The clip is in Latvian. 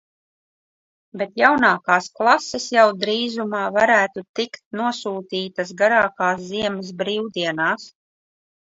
Bet jaunākās klases jau drīzumā varētu tikt nosūtītas garākās ziemas brīvdienās.